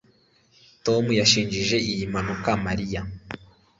Tom yashinje iyi mpanuka Mariya